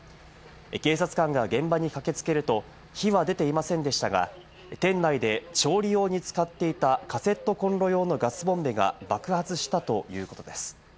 警察官が現場に駆けつけると、火は出ていませんでしたが、店内で調理用に使っていたカセットコンロ用のガスボンベが爆発したということです。